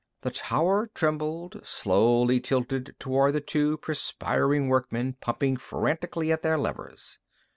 The tower trembled, slowly tilted toward the two perspiring workmen pumping frantically at their levers.